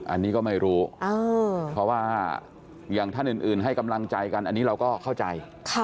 อันนี้ก็ไม่รู้เพราะว่าอย่างท่านอื่นให้กำลังใจกันอันนี้เราก็เข้าใจ